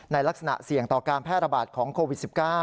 ลักษณะเสี่ยงต่อการแพร่ระบาดของโควิด๑๙